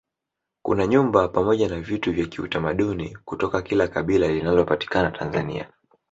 kuna nyumba pamoja na vitu vya kiutamaduni kutoka kila kabila linalopatikana tanzania